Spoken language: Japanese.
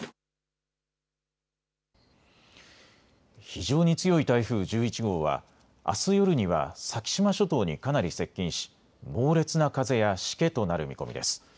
非常に強い台風１１号はあす夜には先島諸島にかなり接近し猛烈な風やしけとなる見込みです。